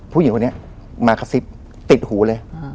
ผู้หญิงคนนี้มากระซิบติดหูเลย